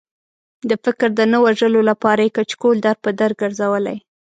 د فکر د نه وژلو لپاره یې کچکول در په در ګرځولی.